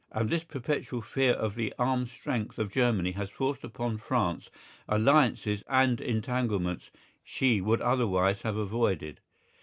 And this perpetual fear of the armed strength of Germany has forced upon France alliances and entanglements she would otherwise have avoided.